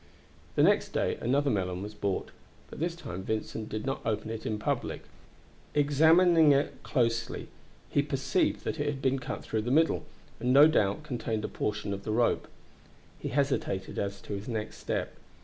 The next day another melon was bought, but this time Vincent did not open it in public. Examining it closely, he perceived that it had been cut through the middle, and no doubt contained a portion of the rope. He hesitated as to his next step.